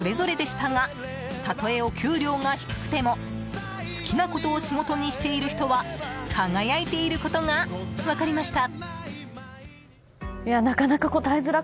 ということで皆さんのお給料を調べてみたら金額はそれぞれでしたがたとえ、お給料が低くても好きなことを仕事にしている人は輝いていることが分かりました。